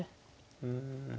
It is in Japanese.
うん。